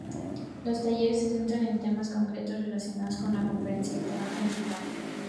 Los talleres se centran en temas concretos relacionados con la conferencia del tema principal.